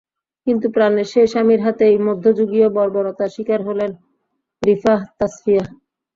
কিন্তু প্রাণের সেই স্বামীর হাতেই মধ্যযুগীয় বর্বরতার শিকার হলেন রিফাহ তাসফিয়া।